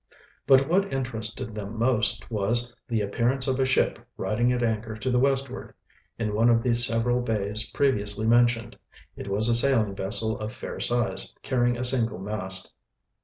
But what interested them most was the appearance of a ship riding at anchor to the westward, in one of the several bays previously mentioned. It was a sailing vessel of fair size, carrying a single mast.